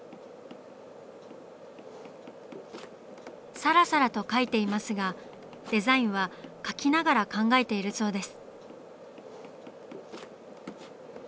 サラサラと描いていますがデザインは描きながら考えているそうです。